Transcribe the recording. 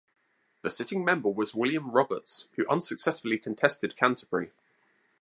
The sitting member was William Roberts who unsuccessfully contested Canterbury.